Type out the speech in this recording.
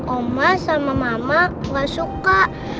oma sama mama gak suka